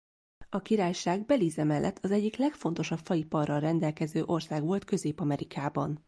A királyság Belize mellett az egyik legfontosabb faiparral rendelkező ország volt Közép-Amerikában.